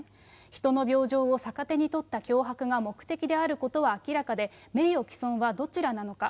人の病状を逆手に取った脅迫が目的であることは明らかで、名誉毀損はどちらなのか。